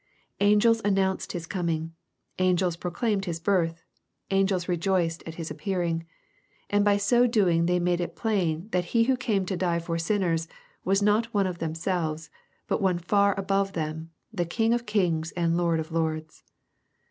Angels announced His coming. Angels proclaimed His birth. Angels rejoiced at his appearing. And by so doing they mode it plain that He who came to die for sinners, was not one of themselves, but one far above them, the King of kings and Lord of lords.